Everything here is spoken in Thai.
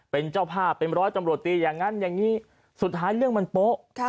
เป็นเจ้าภาพเป็นร้อยตำรวจตีอย่างนั้นอย่างนี้สุดท้ายเรื่องมันโป๊ะ